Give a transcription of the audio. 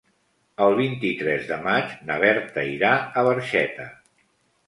El vint-i-tres de maig na Berta irà a Barxeta.